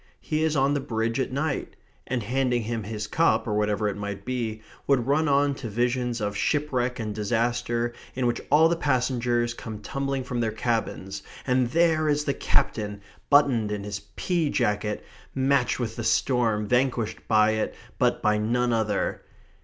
He is on the Bridge at night," and, handing him his cup, or whatever it might be, would run on to visions of shipwreck and disaster, in which all the passengers come tumbling from their cabins, and there is the captain, buttoned in his pea jacket, matched with the storm, vanquished by it but by none other.